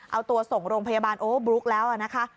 เอาตัวส่งโรงพยาบาลโอ้บลุกแล้วนะคะ